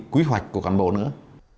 quy hoạch của cán bộ nữa